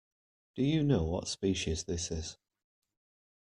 Do you know what species this is?